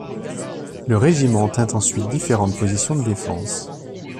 Le régiment tint ensuite différentes positions de défense.